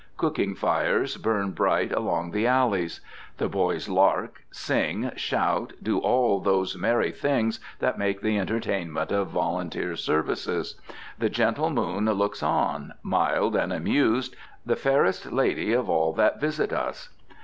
Cooking fires burn bright along the alleys. The boys lark, sing, shout, do all those merry things that make the entertainment of volunteer service. The gentle moon looks on, mild and amused, the fairest lady of all that visit us.